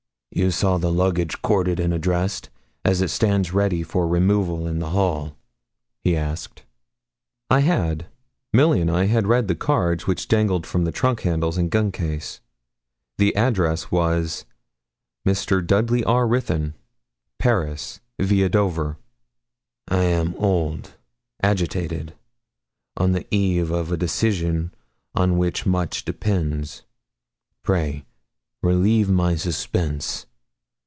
'You saw the luggage corded and addressed, as it stands ready for removal in the hall?' he asked. I had. Milly and I had read the cards which dangled from the trunk handles and gun case. The address was 'Mr. Dudley R. Ruthyn, Paris, viâ Dover.' 'I am old agitated on the eve of a decision on which much depends. Pray relieve my suspense.